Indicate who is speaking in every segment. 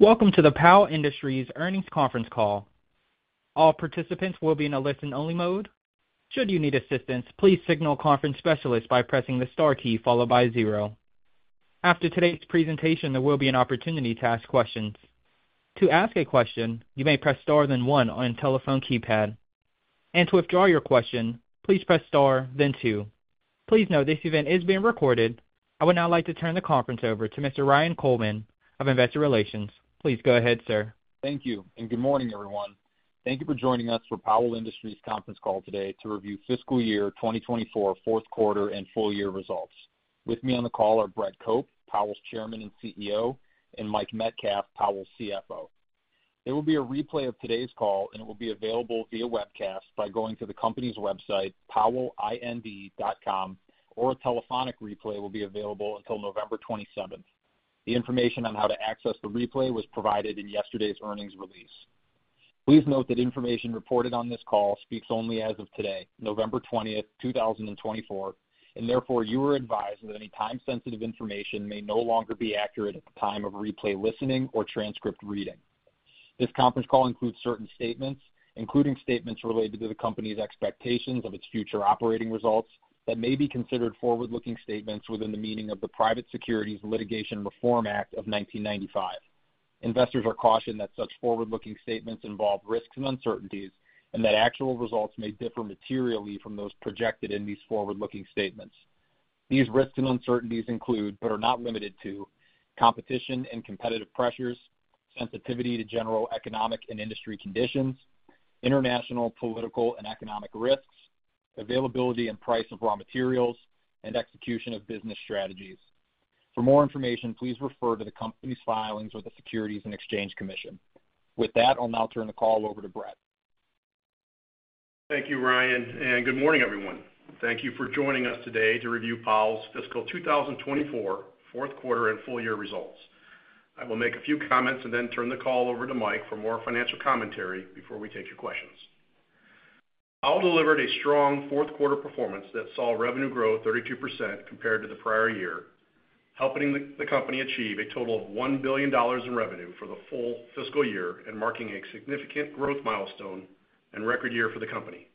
Speaker 1: Welcome to the Powell Industries earnings conference call. All participants will be in a listen-only mode. Should you need assistance, please signal conference specialists by pressing the star key followed by zero. After today's presentation, there will be an opportunity to ask questions. To ask a question, you may press star then one on your telephone keypad. And to withdraw your question, please press star then two. Please note this event is being recorded. I would now like to turn the conference over to Mr. Ryan Coleman of Investor Relations. Please go ahead, sir.
Speaker 2: Thank you and good morning, everyone. Thank you for joining us for Powell Industries conference call today to review fiscal year 2024 fourth quarter and full-year results. With me on the call are Brett Cope, Powell's Chairman and CEO, and Mike Metcalf, Powell's CFO. There will be a replay of today's call, and it will be available via webcast by going to the company's website, powellind.com, or a telephonic replay will be available until November 27th. The information on how to access the replay was provided in yesterday's earnings release. Please note that information reported on this call speaks only as of today, November 20th, 2024, and therefore you are advised that any time-sensitive information may no longer be accurate at the time of replay listening or transcript reading. This conference call includes certain statements, including statements related to the company's expectations of its future operating results that may be considered forward-looking statements within the meaning of the Private Securities Litigation Reform Act of 1995. Investors are cautioned that such forward-looking statements involve risks and uncertainties and that actual results may differ materially from those projected in these forward-looking statements. These risks and uncertainties include, but are not limited to, competition and competitive pressures, sensitivity to general economic and industry conditions, international, political, and economic risks, availability and price of raw materials, and execution of business strategies. For more information, please refer to the company's filings with the Securities and Exchange Commission. With that, I'll now turn the call over to Brett.
Speaker 3: Thank you, Ryan. And good morning, everyone. Thank you for joining us today to review Powell's fiscal 2024 fourth quarter and full-year results. I will make a few comments and then turn the call over to Mike for more financial commentary before we take your questions. Powell delivered a strong fourth quarter performance that saw revenue grow 32% compared to the prior year, helping the company achieve a total of $1 billion in revenue for the full fiscal year and marking a significant growth milestone and record year for the company.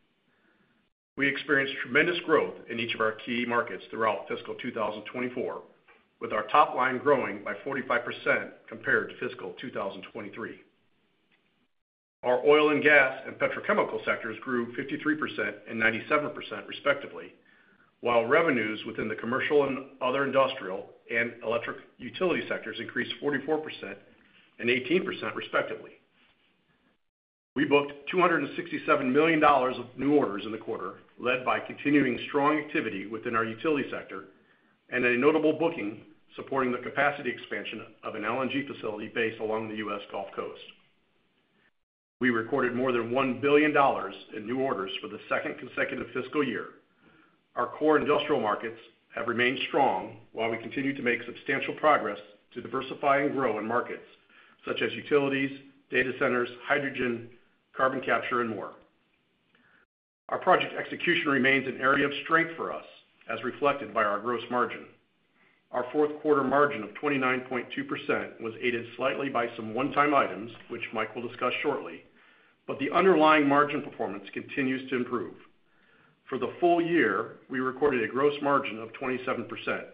Speaker 3: We experienced tremendous growth in each of our key markets throughout fiscal 2024, with our top line growing by 45% compared to fiscal 2023. Our oil and gas and petrochemical sectors grew 53% and 97% respectively, while revenues within the commercial and other industrial and electric utility sectors increased 44% and 18% respectively. We booked $267 million of new orders in the quarter, led by continuing strong activity within our utility sector and a notable booking supporting the capacity expansion of an LNG facility based along the U.S. Gulf Coast. We recorded more than $1 billion in new orders for the second consecutive fiscal year. Our core industrial markets have remained strong while we continue to make substantial progress to diversify and grow in markets such as utilities, data centers, hydrogen, carbon capture, and more. Our project execution remains an area of strength for us, as reflected by our gross margin. Our fourth quarter margin of 29.2% was aided slightly by some one-time items, which Mike will discuss shortly, but the underlying margin performance continues to improve. For the full-year, we recorded a gross margin of 27%,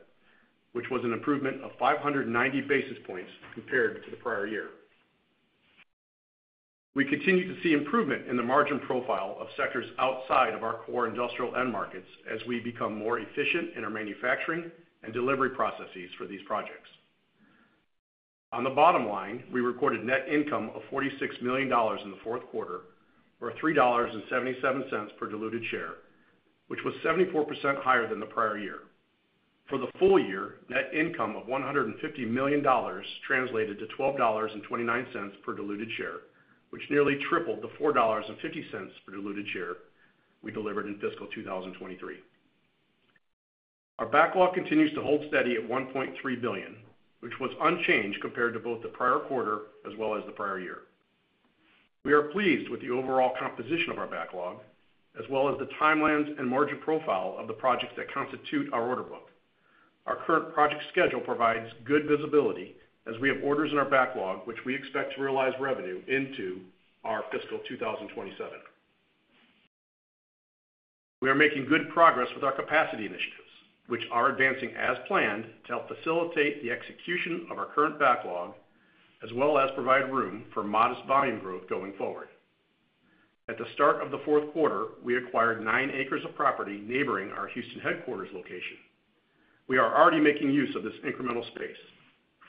Speaker 3: which was an improvement of 590 basis points compared to the prior year. We continue to see improvement in the margin profile of sectors outside of our core industrial end markets as we become more efficient in our manufacturing and delivery processes for these projects. On the bottom line, we recorded net income of $46 million in the fourth quarter or $3.77 per diluted share, which was 74% higher than the prior year. For the full-year, net income of $150 million translated to $12.29 per diluted share, which nearly tripled the $4.50 per diluted share we delivered in fiscal 2023. Our backlog continues to hold steady at $1.3 billion, which was unchanged compared to both the prior quarter as well as the prior year. We are pleased with the overall composition of our backlog as well as the timelines and margin profile of the projects that constitute our order book. Our current project schedule provides good visibility as we have orders in our backlog, which we expect to realize revenue into our fiscal 2027. We are making good progress with our capacity initiatives, which are advancing as planned to help facilitate the execution of our current backlog as well as provide room for modest volume growth going forward. At the start of the fourth quarter, we acquired nine acres of property neighboring our Houston headquarters location. We are already making use of this incremental space,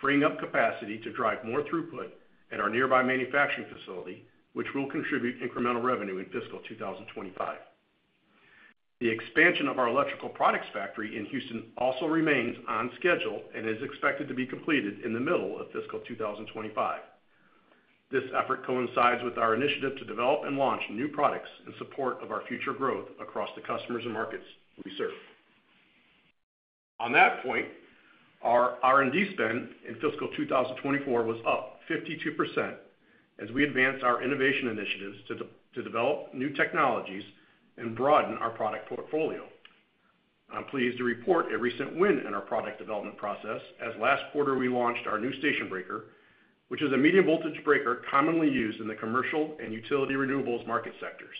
Speaker 3: freeing up capacity to drive more throughput at our nearby manufacturing facility, which will contribute incremental revenue in fiscal 2025. The expansion of our electrical products factory in Houston also remains on schedule and is expected to be completed in the middle of fiscal 2025. This effort coincides with our initiative to develop and launch new products in support of our future growth across the customers and markets we serve. On that point, our R&D spend in fiscal 2024 was up 52% as we advanced our innovation initiatives to develop new technologies and broaden our product portfolio. I'm pleased to report a recent win in our product development process as last quarter we launched our new station breaker, which is a medium voltage breaker commonly used in the commercial and utility renewables market sectors.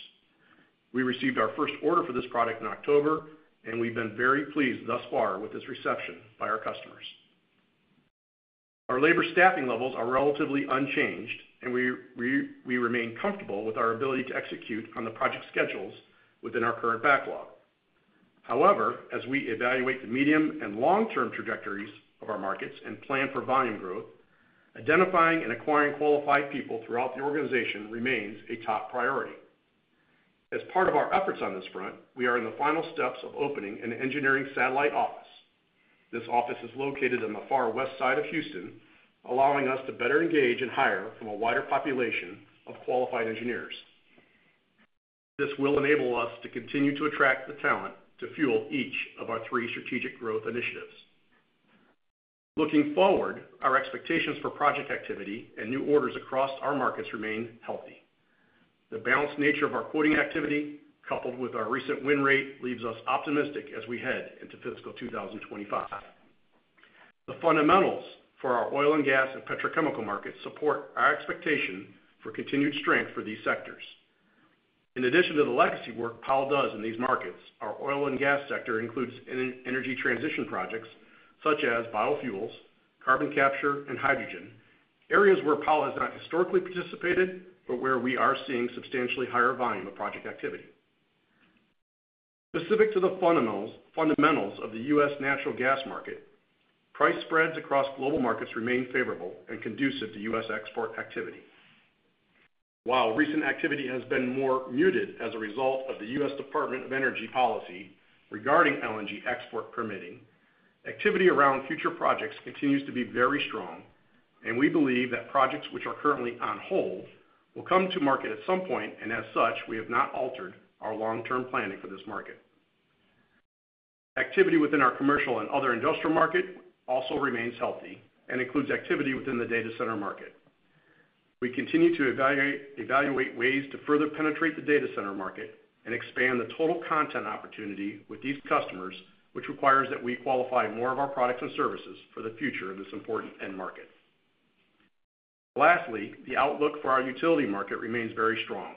Speaker 3: We received our first order for this product in October, and we've been very pleased thus far with this reception by our customers. Our labor staffing levels are relatively unchanged, and we remain comfortable with our ability to execute on the project schedules within our current backlog. However, as we evaluate the medium and long-term trajectories of our markets and plan for volume growth, identifying and acquiring qualified people throughout the organization remains a top priority. As part of our efforts on this front, we are in the final steps of opening an engineering satellite office. This office is located on the far west side of Houston, allowing us to better engage and hire from a wider population of qualified engineers. This will enable us to continue to attract the talent to fuel each of our three strategic growth initiatives. Looking forward, our expectations for project activity and new orders across our markets remain healthy. The balanced nature of our quoting activity, coupled with our recent win rate, leaves us optimistic as we head into fiscal 2025. The fundamentals for our oil and gas and petrochemical markets support our expectation for continued strength for these sectors. In addition to the legacy work Powell does in these markets, our oil and gas sector includes energy transition projects such as biofuels, carbon capture, and hydrogen, areas where Powell has not historically participated, but where we are seeing substantially higher volume of project activity. Specific to the fundamentals of the U.S. natural gas market, price spreads across global markets remain favorable and conducive to U.S. export activity. While recent activity has been more muted as a result of the U.S. Department of Energy policy regarding LNG export permitting, activity around future projects continues to be very strong, and we believe that projects which are currently on hold will come to market at some point, and as such, we have not altered our long-term planning for this market. Activity within our commercial and other industrial market also remains healthy and includes activity within the data center market. We continue to evaluate ways to further penetrate the data center market and expand the total content opportunity with these customers, which requires that we qualify more of our products and services for the future of this important end market. Lastly, the outlook for our utility market remains very strong.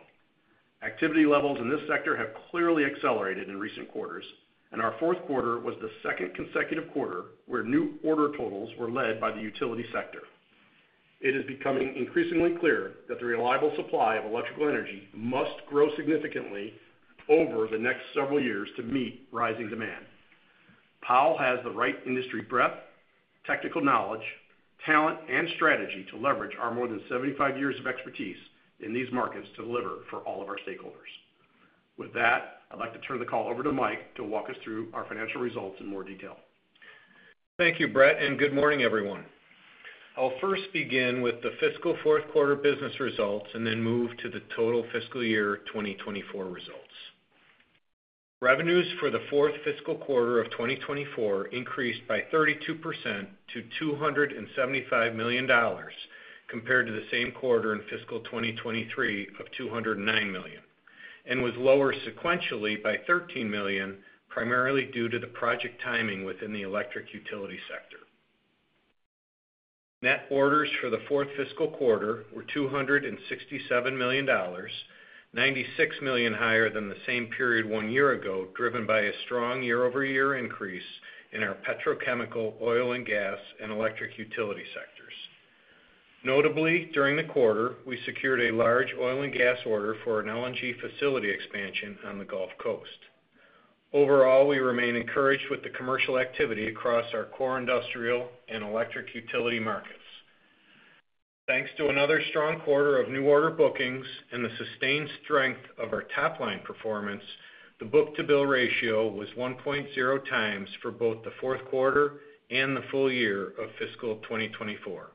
Speaker 3: Activity levels in this sector have clearly accelerated in recent quarters, and our fourth quarter was the second consecutive quarter where new order totals were led by the utility sector. It is becoming increasingly clear that the reliable supply of electrical energy must grow significantly over the next several years to meet rising demand. Powell has the right industry breadth, technical knowledge, talent, and strategy to leverage our more than 75 years of expertise in these markets to deliver for all of our stakeholders. With that, I'd like to turn the call over to Mike to walk us through our financial results in more detail.
Speaker 4: Thank you, Brett, and good morning, everyone. I'll first begin with the fiscal fourth quarter business results and then move to the total fiscal year 2024 results. Revenues for the fourth fiscal quarter of 2024 increased by 32% to $275 million compared to the same quarter in fiscal 2023 of $209 million, and was lower sequentially by $13 million, primarily due to the project timing within the electric utility sector. Net orders for the fourth fiscal quarter were $267 million, $96 million higher than the same period one year ago, driven by a strong year-over-year increase in our petrochemical, oil and gas, and electric utility sectors. Notably, during the quarter, we secured a large oil and gas order for an LNG facility expansion on the Gulf Coast. Overall, we remain encouraged with the commercial activity across our core industrial and electric utility markets. Thanks to another strong quarter of new order bookings and the sustained strength of our top line performance, the book-to-bill ratio was 1.0 times for both the fourth quarter and the full-year of fiscal 2024.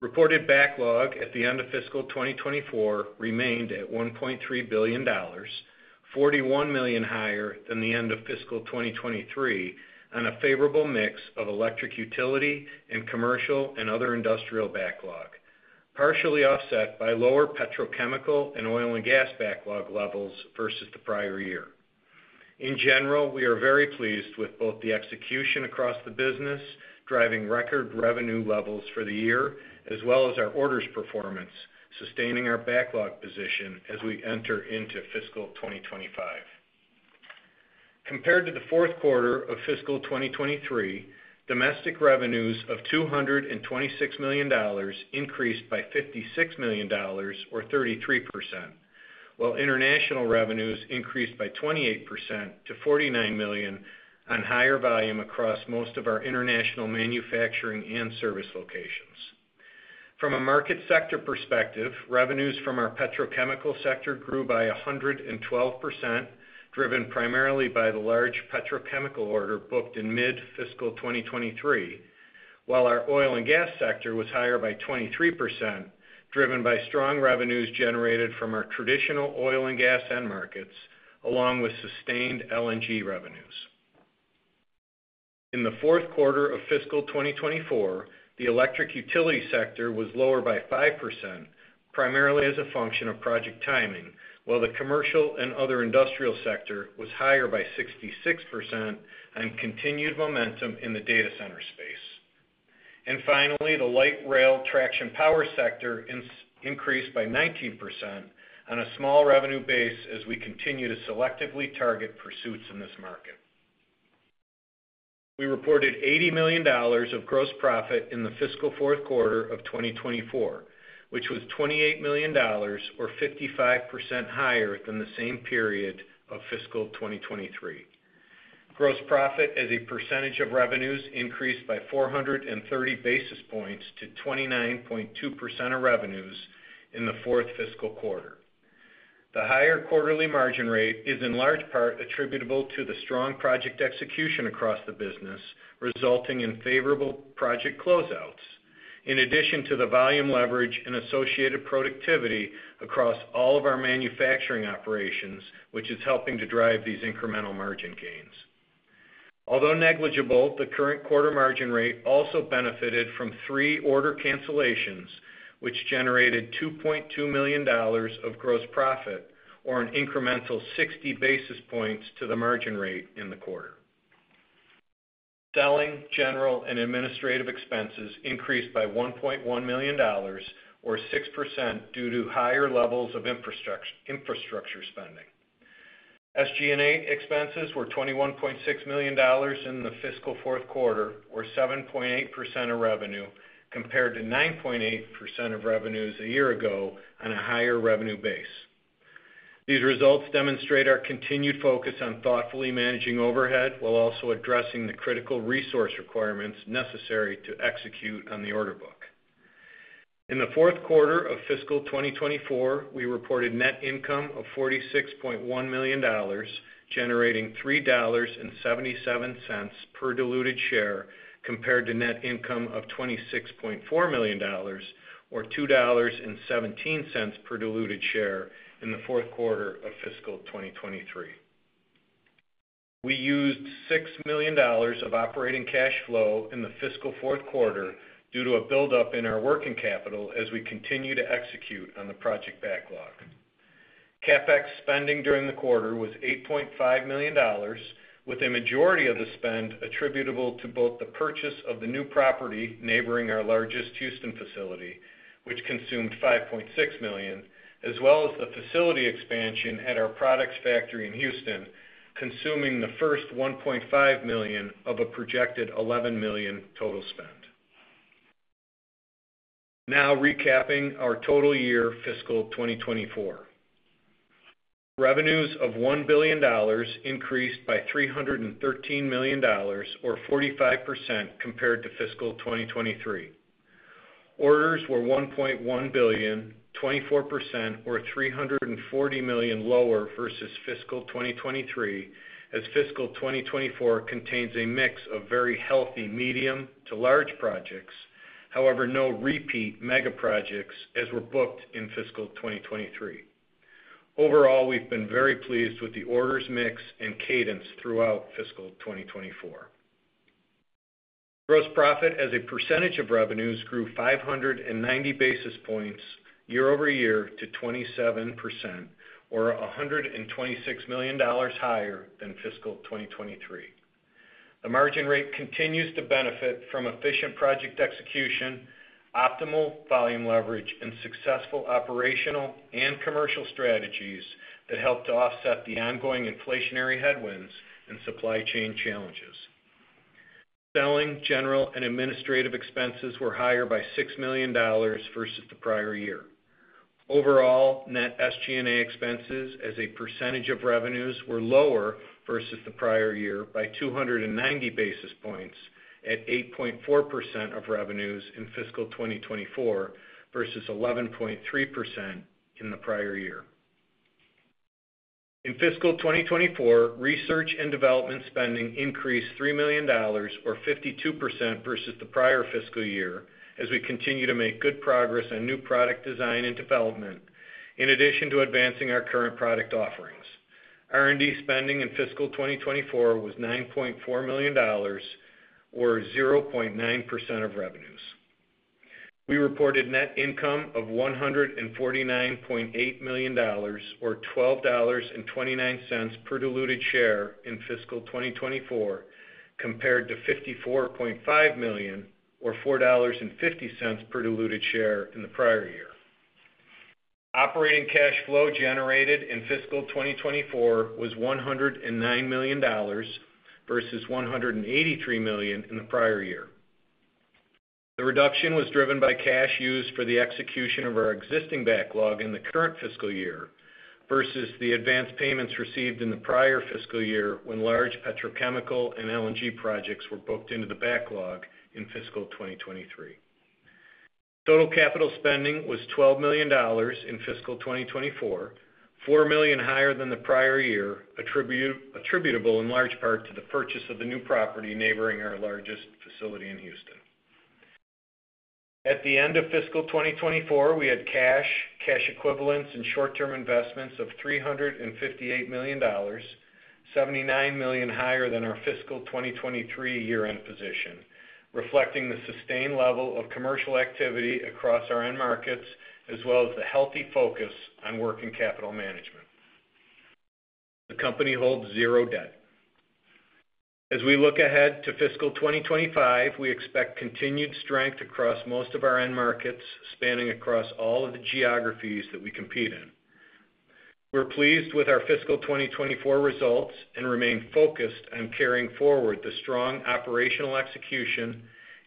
Speaker 4: Reported backlog at the end of fiscal 2024 remained at $1.3 billion, $41 million higher than the end of fiscal 2023 on a favorable mix of electric utility and commercial and other industrial backlog, partially offset by lower petrochemical and oil and gas backlog levels versus the prior year. In general, we are very pleased with both the execution across the business, driving record revenue levels for the year, as well as our orders performance, sustaining our backlog position as we enter into fiscal 2025. Compared to the fourth quarter of fiscal 2023, domestic revenues of $226 million increased by $56 million, or 33%, while international revenues increased by 28% to $49 million on higher volume across most of our international manufacturing and service locations. From a market sector perspective, revenues from our petrochemical sector grew by 112%, driven primarily by the large petrochemical order booked in mid-fiscal 2023, while our oil and gas sector was higher by 23%, driven by strong revenues generated from our traditional oil and gas end markets, along with sustained LNG revenues. In the fourth quarter of fiscal 2024, the electric utility sector was lower by 5%, primarily as a function of project timing, while the commercial and other industrial sector was higher by 66% on continued momentum in the data center space. Finally, the light rail traction power sector increased by 19% on a small revenue base as we continue to selectively target pursuits in this market. We reported $80 million of gross profit in the fiscal fourth quarter of 2024, which was $28 million, or 55% higher than the same period of fiscal 2023. Gross profit as a percentage of revenues increased by 430 basis points to 29.2% of revenues in the fourth fiscal quarter. The higher quarterly margin rate is in large part attributable to the strong project execution across the business, resulting in favorable project closeouts, in addition to the volume leverage and associated productivity across all of our manufacturing operations, which is helping to drive these incremental margin gains. Although negligible, the current quarter margin rate also benefited from three order cancellations, which generated $2.2 million of gross profit, or an incremental 60 basis points to the margin rate in the quarter. Selling, general, and administrative expenses increased by $1.1 million, or 6%, due to higher levels of infrastructure spending. SG&A expenses were $21.6 million in the fiscal fourth quarter, or 7.8% of revenue, compared to 9.8% of revenues a year ago on a higher revenue base. These results demonstrate our continued focus on thoughtfully managing overhead while also addressing the critical resource requirements necessary to execute on the order book. In the fourth quarter of fiscal 2024, we reported net income of $46.1 million, generating $3.77 per diluted share compared to net income of $26.4 million, or $2.17 per diluted share in the fourth quarter of fiscal 2023. We used $6 million of operating cash flow in the fiscal fourth quarter due to a buildup in our working capital as we continue to execute on the project backlog. CapEx spending during the quarter was $8.5 million, with a majority of the spend attributable to both the purchase of the new property neighboring our largest Houston facility, which consumed $5.6 million, as well as the facility expansion at our products factory in Houston, consuming the first $1.5 million of a projected $11 million total spend. Now recapping our total year fiscal 2024. Revenues of $1 billion increased by $313 million, or 45%, compared to fiscal 2023. Orders were $1.1 billion, 24%, or $340 million lower versus fiscal 2023, as fiscal 2024 contains a mix of very healthy medium to large projects, however, no repeat mega projects as were booked in fiscal 2023. Overall, we've been very pleased with the orders mix and cadence throughout fiscal 2024. Gross profit as a percentage of revenues grew 590 basis points year over year to 27%, or $126 million higher than fiscal 2023. The margin rate continues to benefit from efficient project execution, optimal volume leverage, and successful operational and commercial strategies that help to offset the ongoing inflationary headwinds and supply chain challenges. Selling, general, and administrative expenses were higher by $6 million versus the prior year. Overall, net SG&A expenses as a percentage of revenues were lower versus the prior year by 290 basis points at 8.4% of revenues in fiscal 2024 versus 11.3% in the prior year. In fiscal 2024, research and development spending increased $3 million, or 52%, versus the prior fiscal year as we continue to make good progress on new product design and development, in addition to advancing our current product offerings. R&D spending in fiscal 2024 was $9.4 million, or 0.9% of revenues. We reported net income of $149.8 million, or $12.29 per diluted share in fiscal 2024, compared to $54.5 million, or $4.50 per diluted share in the prior year. Operating cash flow generated in fiscal 2024 was $109 million versus $183 million in the prior year. The reduction was driven by cash used for the execution of our existing backlog in the current fiscal year versus the advance payments received in the prior fiscal year when large petrochemical and LNG projects were booked into the backlog in fiscal 2023. Total capital spending was $12 million in fiscal 2024, $4 million higher than the prior year, attributable in large part to the purchase of the new property neighboring our largest facility in Houston. At the end of fiscal 2024, we had cash, cash equivalents, and short-term investments of $358 million, $79 million higher than our fiscal 2023 year-end position, reflecting the sustained level of commercial activity across our end markets, as well as the healthy focus on working capital management. The company holds zero debt. As we look ahead to fiscal 2025, we expect continued strength across most of our end markets spanning across all of the geographies that we compete in. We're pleased with our fiscal 2024 results and remain focused on carrying forward the strong operational execution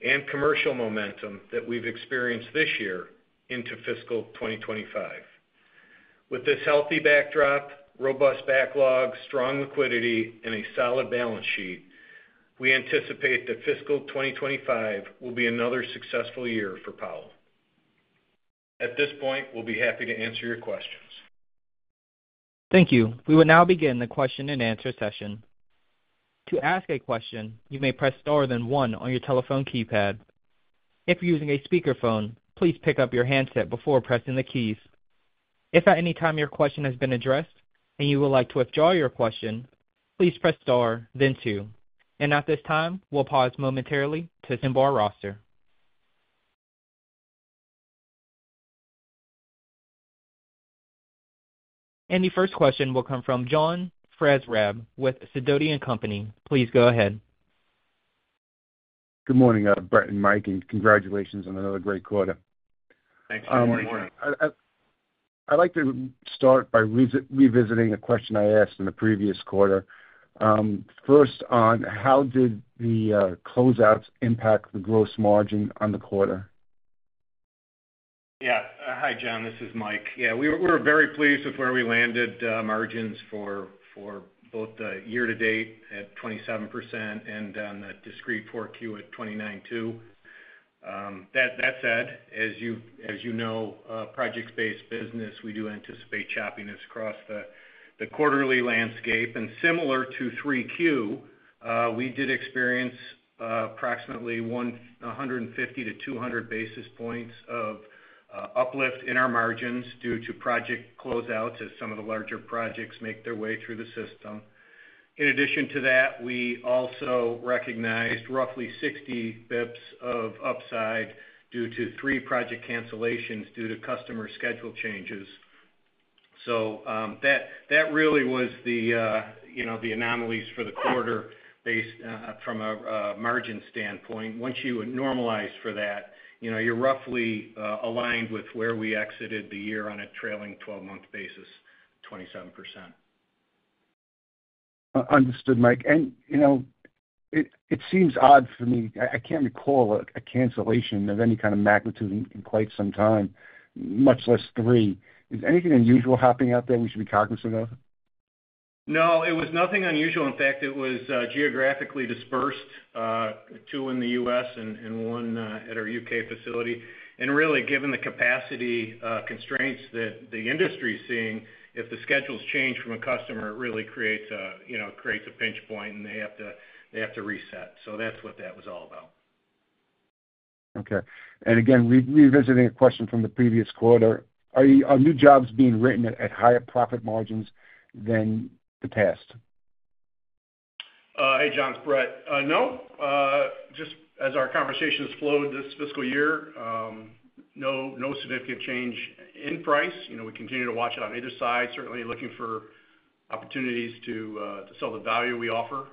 Speaker 4: and commercial momentum that we've experienced this year into fiscal 2025. With this healthy backdrop, robust backlog, strong liquidity, and a solid balance sheet, we anticipate that fiscal 2025 will be another successful year for Powell. At this point, we'll be happy to answer your questions.
Speaker 1: Thank you. We will now begin the question and answer session. To ask a question, you may press star, then one on your telephone keypad. If you're using a speakerphone, please pick up your handset before pressing the keys. If at any time your question has been addressed and you would like to withdraw your question, please press star, then two. At this time, we'll pause momentarily to assemble our roster. The first question will come from John Franzreb with Sidoti & Company. Please go ahead.
Speaker 5: Good morning, Brett and Mike, and congratulations on another great quarter.
Speaker 3: Thanks. Good morning.
Speaker 5: I'd like to start by revisiting a question I asked in the previous quarter. First off, how did the closeouts impact the gross margin on the quarter?
Speaker 4: Yeah. Hi, John. This is Mike. Yeah, we're very pleased with where we landed. Margins for both the year-to-date at 27% and on the discrete 4Q at 29.2%. That said, as you know, project-based business, we do anticipate choppiness across the quarterly landscape. And similar to 3Q, we did experience approximately 150 to 200 basis points of uplift in our margins due to project closeouts as some of the larger projects make their way through the system. In addition to that, we also recognized roughly 60 basis points of upside due to three project cancellations due to customer schedule changes. So that really was the anomalies for the quarter based from a margin standpoint. Once you normalize for that, you're roughly aligned with where we exited the year on a trailing 12-month basis, 27%.
Speaker 5: Understood, Mike. And it seems odd for me. I can't recall a cancellation of any kind of magnitude in quite some time, much less three. Is anything unusual happening out there we should be cognizant of?
Speaker 4: No, it was nothing unusual. In fact, it was geographically dispersed, two in the U.S. and one at our U.K. facility. And really, given the capacity constraints that the industry is seeing, if the schedules change from a customer, it really creates a pinch point and they have to reset. So that's what that was all about.
Speaker 5: Okay, and again, revisiting a question from the previous quarter, are new jobs being written at higher profit margins than the past?
Speaker 3: Hey, John, it's Brett. No. Just as our conversations flowed this fiscal year, no significant change in price. We continue to watch it on either side, certainly looking for opportunities to sell the value we offer,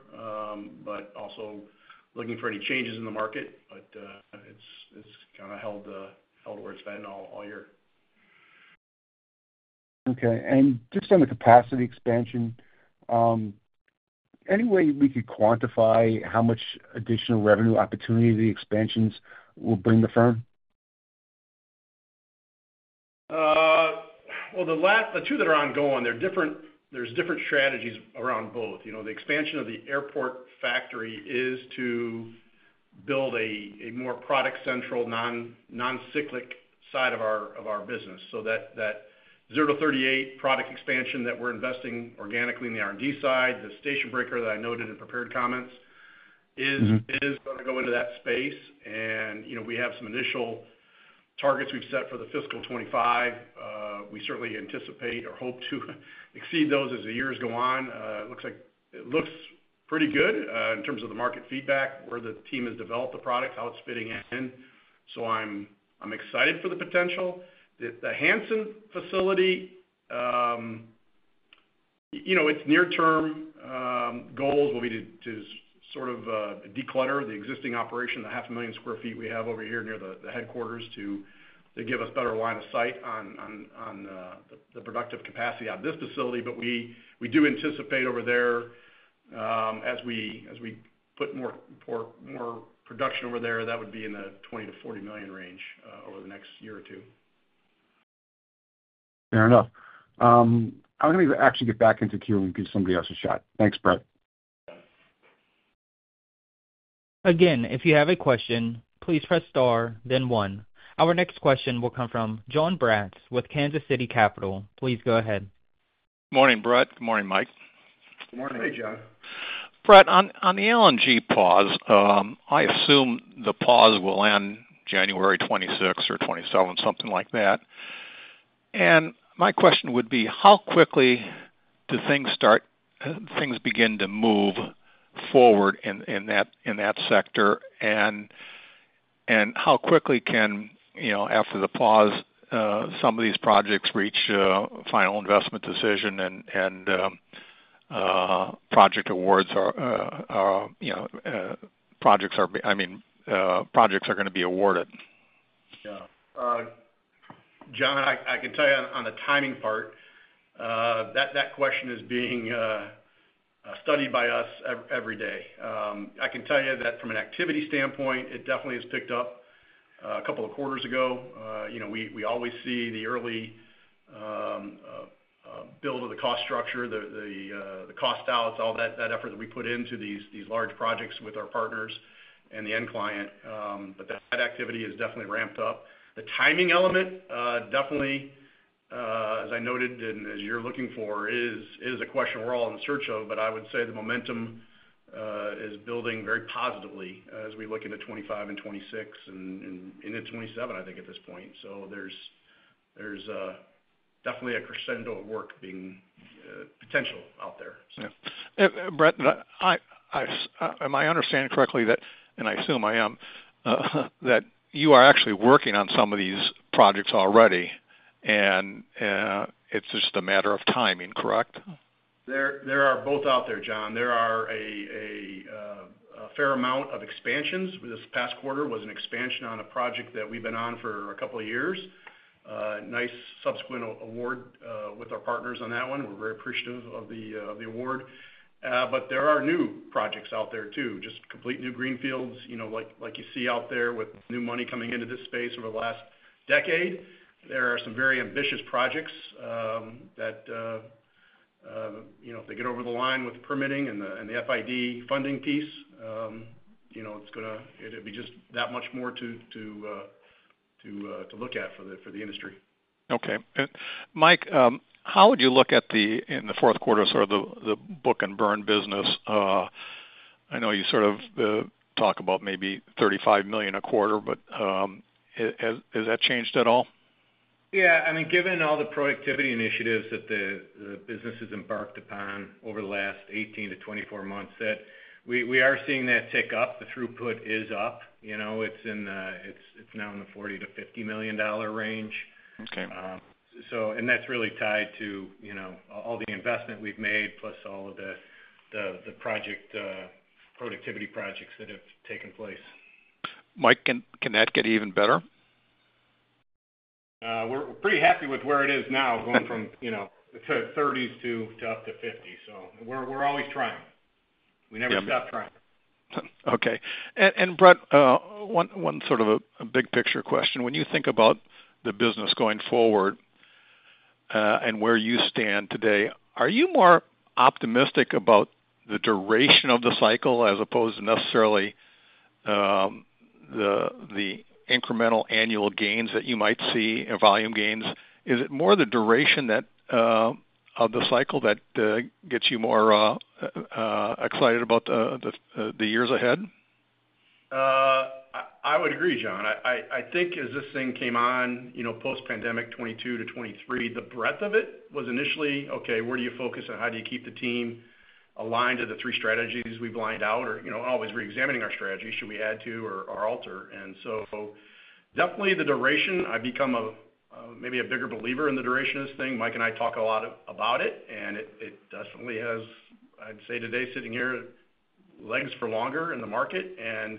Speaker 3: but also looking for any changes in the market. But it's kind of held where it's been all year.
Speaker 5: Okay, and just on the capacity expansion, any way we could quantify how much additional revenue opportunity the expansions will bring the firm?
Speaker 3: The two that are ongoing, there's different strategies around both. The expansion of the Airport factory is to build a more product-centric, non-cyclical side of our business. That 0-38 kV product expansion that we're investing organically in the R&D side, the station breaker that I noted in prepared comments, is going to go into that space. We have some initial targets we've set for the fiscal 2025. We certainly anticipate or hope to exceed those as the years go on. It looks pretty good in terms of the market feedback, where the team has developed the product, how it's fitting in. I'm excited for the potential. The Hansen facility, its near-term goals will be to sort of declutter the existing operation, the 500,000 sq ft we have over here near the headquarters, to give us better line of sight on the productive capacity on this facility, but we do anticipate over there, as we put more production over there, that would be in the $20 million-$40 million range over the next year or two.
Speaker 5: Fair enough. I'm going to actually get back into queue and give somebody else a shot. Thanks, Brett.
Speaker 1: Again, if you have a question, please press star, then one. Our next question will come from John Braatz with Kansas City Capital. Please go ahead.
Speaker 6: Good morning, Brett. Good morning, Mike.
Speaker 3: Good morning.
Speaker 4: Hey, John.
Speaker 6: Brett, on the LNG pause, I assume the pause will end January 26th or 27th, something like that. And my question would be, how quickly do things begin to move forward in that sector? And how quickly can, after the pause, some of these projects reach final investment decision and project awards are, I mean, projects are going to be awarded?
Speaker 3: Yeah. John, I can tell you on the timing part, that question is being studied by us every day. I can tell you that from an activity standpoint, it definitely has picked up a couple of quarters ago. We always see the early build of the cost structure, the cost outs, all that effort that we put into these large projects with our partners and the end client. But that activity has definitely ramped up. The timing element, definitely, as I noted and as you're looking for, is a question we're all in search of. But I would say the momentum is building very positively as we look into 2025 and 2026 and into 2027, I think, at this point. So there's definitely a crescendo of work being potential out there.
Speaker 6: Yeah. Brett, am I understanding correctly, and I assume I am, that you are actually working on some of these projects already, and it's just a matter of timing, correct?
Speaker 3: There are both out there, John. There are a fair amount of expansions. This past quarter was an expansion on a project that we've been on for a couple of years. Nice subsequent award with our partners on that one. We're very appreciative of the award. But there are new projects out there too, just complete new greenfields, like you see out there with new money coming into this space over the last decade. There are some very ambitious projects that, if they get over the line with permitting and the FID funding piece, it's going to be just that much more to look at for the industry.
Speaker 6: Okay. Mike, how would you look at the, in the fourth quarter, sort of the book and bill business? I know you sort of talk about maybe $35 million a quarter, but has that changed at all?
Speaker 4: Yeah. I mean, given all the productivity initiatives that the business has embarked upon over the last 18 to 24 months, we are seeing that tick up. The throughput is up. It's now in the $40 million-$50 million range, and that's really tied to all the investment we've made, plus all of the productivity projects that have taken place.
Speaker 6: Mike, can that get even better?
Speaker 4: We're pretty happy with where it is now, going from the 30s to up to 50. So we're always trying. We never stop trying.
Speaker 6: Okay. And Brett, one sort of a big picture question. When you think about the business going forward and where you stand today, are you more optimistic about the duration of the cycle as opposed to necessarily the incremental annual gains that you might see, volume gains? Is it more the duration of the cycle that gets you more excited about the years ahead?
Speaker 3: I would agree, John. I think as this thing came on post-pandemic 2022 to 2023, the breadth of it was initially, okay, where do you focus and how do you keep the team aligned to the three strategies we've lined out, or always re-examining our strategy, should we add to or alter? And so definitely the duration, I become maybe a bigger believer in the duration of this thing. Mike and I talk a lot about it, and it definitely has, I'd say today, sitting here, legs for longer in the market. And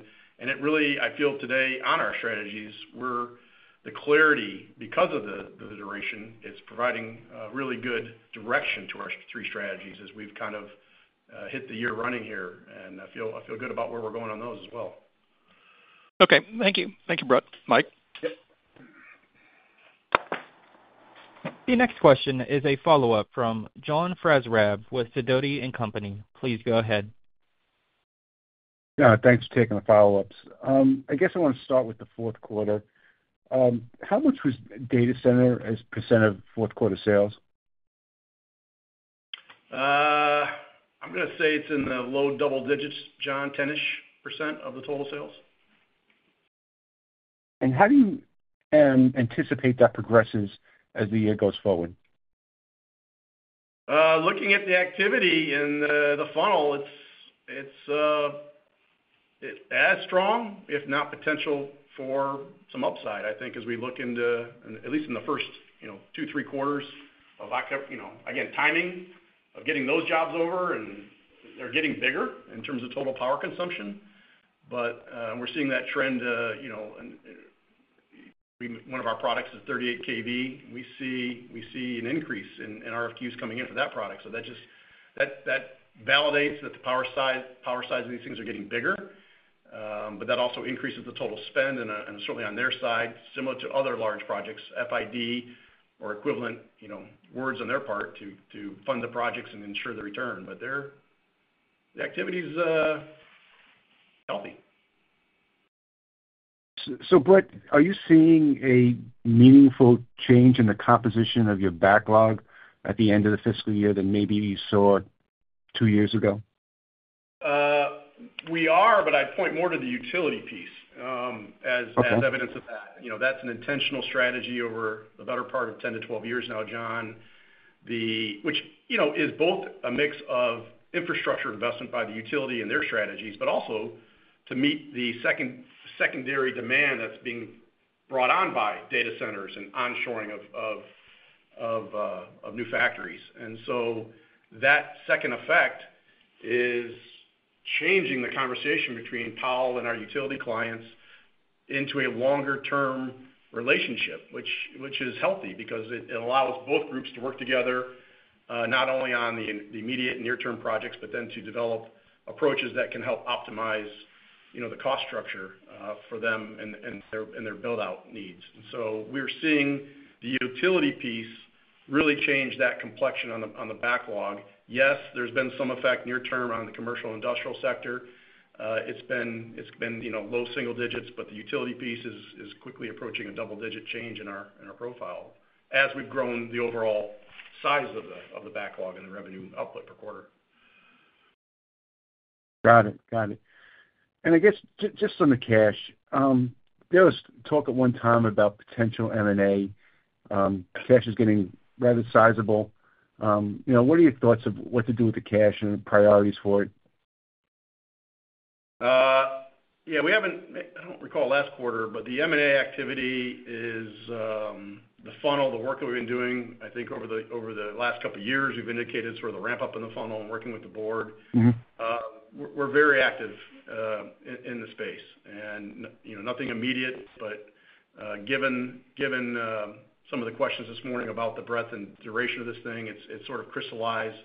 Speaker 3: it really, I feel today, on our strategies, the clarity because of the duration, it's providing really good direction to our three strategies as we've kind of hit the year running here. And I feel good about where we're going on those as well.
Speaker 6: Okay. Thank you. Thank you, Brett. Mike.
Speaker 1: The next question is a follow-up from John Franzreb with Sidoti & Company. Please go ahead.
Speaker 5: Thanks for taking the follow-ups. I guess I want to start with the fourth quarter. How much was data center as percent of fourth quarter sales?
Speaker 3: I'm going to say it's in the low double digits, John, 10%-ish of the total sales.
Speaker 5: How do you anticipate that progresses as the year goes forward?
Speaker 3: Looking at the activity in the funnel, it's as strong, if not potential for some upside, I think, as we look into, at least in the first two, three quarters. Again, timing of getting those jobs over, and they're getting bigger in terms of total power consumption. But we're seeing that trend. One of our products is 38 kV. We see an increase in RFQs coming in for that product. So that validates that the power size of these things are getting bigger. But that also increases the total spend, and certainly on their side, similar to other large projects, FID or equivalent words on their part to fund the projects and ensure the return. But the activity is healthy.
Speaker 5: So Brett, are you seeing a meaningful change in the composition of your backlog at the end of the fiscal year than maybe you saw two years ago?
Speaker 3: We are, but I'd point more to the utility piece as evidence of that. That's an intentional strategy over the better part of 10-12 years now, John, which is both a mix of infrastructure investment by the utility and their strategies, but also to meet the secondary demand that's being brought on by data centers and onshoring of new factories. And so that second effect is changing the conversation between Powell and our utility clients into a longer-term relationship, which is healthy because it allows both groups to work together, not only on the immediate and near-term projects, but then to develop approaches that can help optimize the cost structure for them and their build-out needs. And so we're seeing the utility piece really change that complexion on the backlog. Yes, there's been some effect near-term on the commercial industrial sector. It's been low single digits, but the utility piece is quickly approaching a double-digit change in our profile as we've grown the overall size of the backlog and the revenue output per quarter.
Speaker 5: Got it. Got it. And I guess just on the cash, there was talk at one time about potential M&A. Cash is getting rather sizable. What are your thoughts of what to do with the cash and priorities for it?
Speaker 3: Yeah. I don't recall last quarter, but the M&A activity is the funnel, the work that we've been doing. I think over the last couple of years, we've indicated sort of the ramp-up in the funnel and working with the board. We're very active in the space. And nothing immediate, but given some of the questions this morning about the breadth and duration of this thing, it sort of crystallized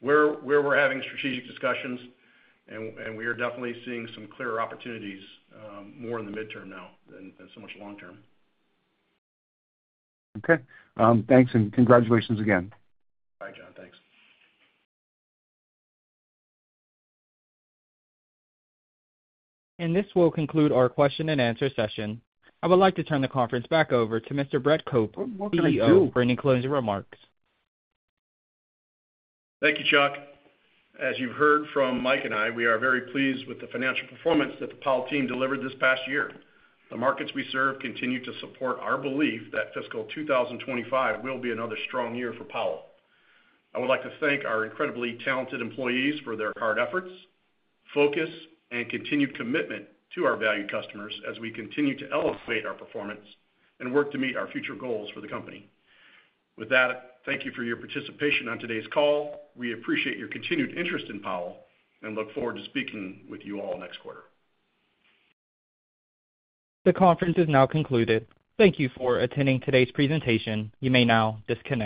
Speaker 3: where we're having strategic discussions. And we are definitely seeing some clearer opportunities more in the midterm now than so much long-term.
Speaker 5: Okay. Thanks. And congratulations again.
Speaker 3: All right, John. Thanks.
Speaker 1: This will conclude our question-and-answer session. I would like to turn the conference back over to Mr. Brett Cope, CEO, for any closing remarks.
Speaker 3: Thank you, Chuck. As you've heard from Mike and I, we are very pleased with the financial performance that the Powell team delivered this past year. The markets we serve continue to support our belief that fiscal 2025 will be another strong year for Powell. I would like to thank our incredibly talented employees for their hard efforts, focus, and continued commitment to our valued customers as we continue to elevate our performance and work to meet our future goals for the company. With that, thank you for your participation on today's call. We appreciate your continued interest in Powell and look forward to speaking with you all next quarter.
Speaker 1: The conference is now concluded. Thank you for attending today's presentation. You may now disconnect.